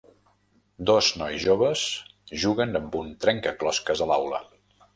Dos nois joves juguen amb un trencaclosques a l'aula.